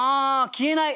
「消えない」！